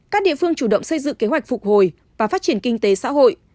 các địa phương chủ động xây dựng kế hoạch phục hồi và phát triển kinh tế xã hội